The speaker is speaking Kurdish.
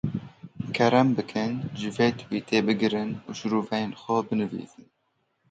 Kerem bikin ji vê twîtê bigirin û şîroveyên xwe binivîsin.